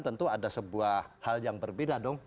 tentu ada sebuah hal yang berbeda dong